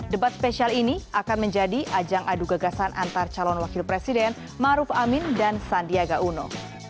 debat spesial ini akan menjadi ajang adu gagasan antar calon wakil presiden maruf amin dan sandiaga uno